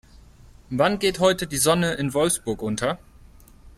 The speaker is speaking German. Wann geht heute die Sonne in Wolfsburg unter?